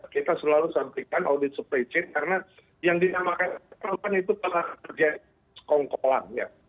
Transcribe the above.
kita selalu sampaikan audit supply chain karena yang dinamakan supply chain itu adalah kerja kongkolan